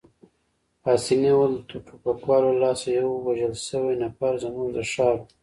پاسیني وویل: د ټوپکوالو له لاسه یو وژل شوی نفر، زموږ د ښار وو.